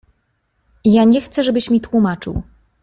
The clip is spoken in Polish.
„Ja nie chcę, żebyś mi tłumaczył.